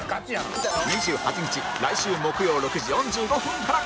２８日来週木曜６時４５分から